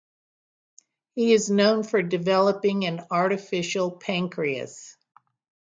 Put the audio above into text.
He is known for developing an artificial pancreas.